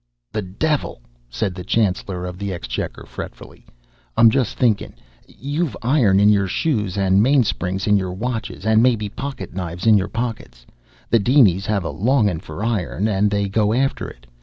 "The devil!" said the Chancellor of the Exchequer, fretfully. "I'm just thinkin'. You've iron in your shoes and mainsprings in your watches and maybe pocket knives in your pockets. The dinies have a longin' for iron, and they go after it.